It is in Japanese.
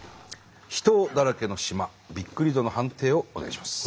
秘湯だらけの島びっくり度の判定をお願いします。